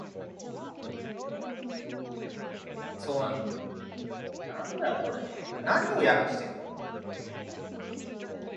The Tolbert clan was one of the largest Americo-Liberian families in Liberia.